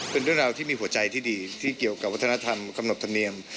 เป็นเรื่องราวที่มีหัวใจที่ดีที่เกี่ยวกับวัฒนธรรมกำหนดธรรมเนียม